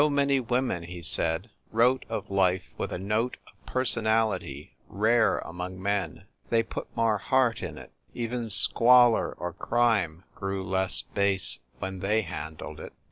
So many women, he said, wrote of life with a note of personality rare among men. They put more heart in it. Even squalor or crime grew less base when they handled it.